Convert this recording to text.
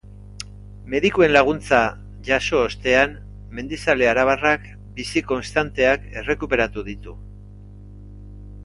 Medikuen laguntza jaso ostean mendizale arabarrak bizi-konstanteak errekuperatu ditu.